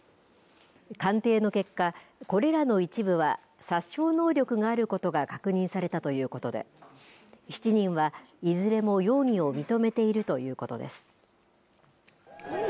鑑定の結果、これらの一部は殺傷能力があることが確認されたということで７人はいずれも容疑を認めているということです。